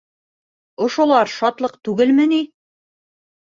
Ошолар шатлыҡ түгелме ни?